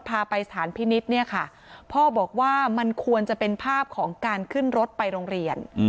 พาไปสถานพินิษฐ์เนี่ยค่ะพ่อบอกว่ามันควรจะเป็นภาพของการขึ้นรถไปโรงเรียน